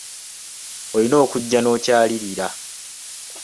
Olina okujja n'onkyalirira.